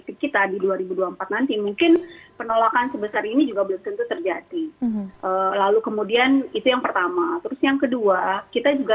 saya pikir batalnya indonesia menjadi tuan rumah piala